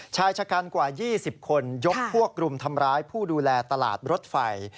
ชายชะกันกว่า๒๐คนยกพวกรุมทำร้ายผู้ดูแลตลาดรถไฟ